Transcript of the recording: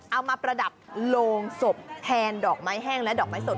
ประดับโรงศพแทนดอกไม้แห้งและดอกไม้สด